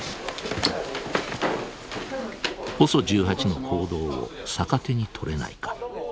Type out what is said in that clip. ＯＳＯ１８の行動を逆手に取れないか。